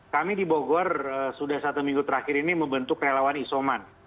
kami di bogor sudah satu minggu terakhir ini membentuk relawan isoman